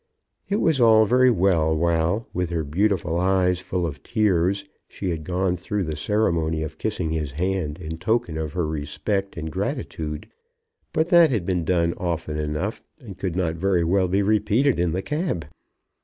It was all very well while, with her beautiful eyes full of tears, she had gone through the ceremony of kissing his hand in token of her respect and gratitude; but that had been done often enough, and could not very well be repeated in the cab.